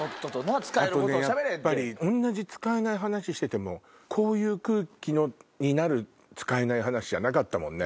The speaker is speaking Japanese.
あとねやっぱり同じ使えない話しててもこういう空気になる使えない話じゃなかったもんね。